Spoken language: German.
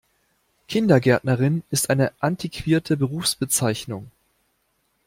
Kindergärtnerin ist eine antiquerte Berufsbezeichnung.